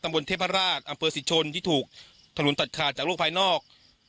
ตำบลเทพราชอำเฟิร์สิทธิ์ชนที่ถูกทะลุนตัดขาดจากโรคภัยนอก